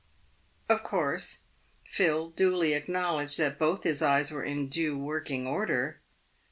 Of course, Phil duly acknowledged that both his eyes were in due working order.